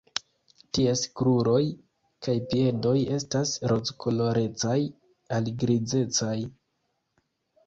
Ties kruroj kaj piedoj estas rozkolorecaj al grizecaj.